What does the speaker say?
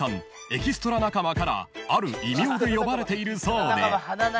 エキストラ仲間からある異名で呼ばれているそうで］